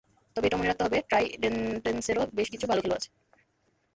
তবে এটাও মনে রাখতে হবে, ট্রাইডেন্টসেরও বেশ কিছু ভালো খেলোয়াড় আছে।